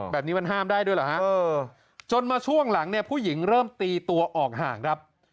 แบบนี้มันห้ามได้ด้วยเหรอฮะจนมาช่วงหลังเนี่ยผู้หญิงเริ่มตีตัวออกห่างครับ